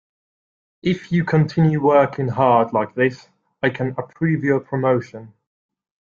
If you continue working hard like this, I can approve your promotion.